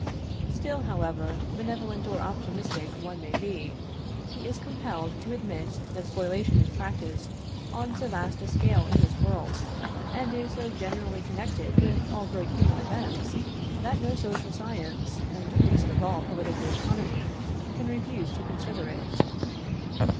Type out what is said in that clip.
Still, however benevolent or optimistic one may be, he is compelled to admit that spoliation is practiced on so vast a scale in this world, and is so generally connected with all great human events, that no social science, and, least of all, political economy, can refuse to consider it.